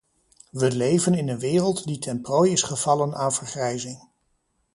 We leven in een wereld die ten prooi gevallen is aan vergrijzing.